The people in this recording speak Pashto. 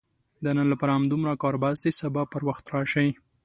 د نن لپاره همدومره کار بس دی، سبا پر وخت راشئ!